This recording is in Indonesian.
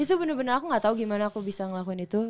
itu bener bener aku gak tau gimana aku bisa ngelakuin itu